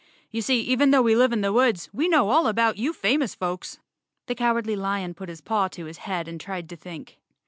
You see, even though we live in the woods, we know all about you famous folks." The Cowardly Lion put his paw to his head and tried to think.